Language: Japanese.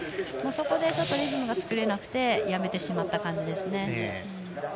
そこでリズムが作れなくてやめてしまった感じですね。